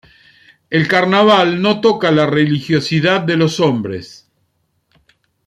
El Carnaval no toca la religiosidad de los hombres.